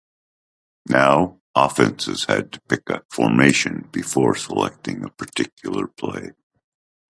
Now offenses had to pick a formation before selecting a particular play.